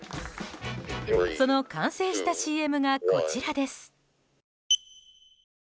その完成したＣＭがこちらです。